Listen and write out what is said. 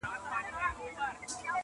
چا او چا بايللى لاس او سترگه دواړه!!